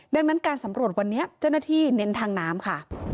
ดังนั้นการสำรวจวันนี้เจ้าหน้าที่เน้นทางน้ำค่ะ